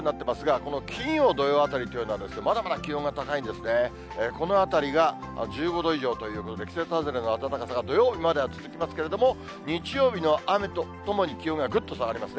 このあたりが１５度以上ということで、季節外れの暖かさが土曜日までは続きますけれども、日曜日の雨とともに気温がぐっと下がりますね。